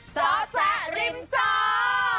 เจ้าแจ๊กริมเจ้า